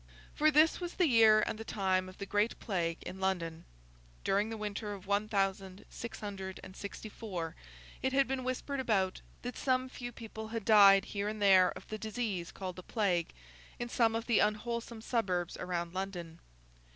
For, this was the year and the time of the Great Plague in London. During the winter of one thousand six hundred and sixty four it had been whispered about, that some few people had died here and there of the disease called the Plague, in some of the unwholesome suburbs around London.